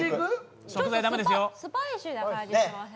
スパイシーな感じ、しません？